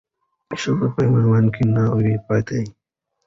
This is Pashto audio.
ښځې په میوند کې نه وې پاتې.